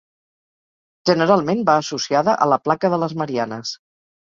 Generalment, va associada a la placa de les Marianes.